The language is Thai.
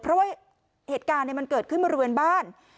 เพราะว่าเหตุการณ์มันเกิดขึ้นบริเวณบ้าน